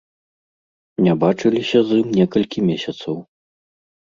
Не бачыліся з ім некалькі месяцаў.